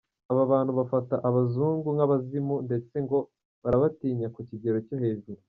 Aba bantu bafata abazungu nk’abazimu ndetse ngo barabatinya ku kigero cyo hejuru.